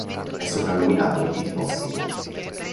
È soprannominato "il tossico".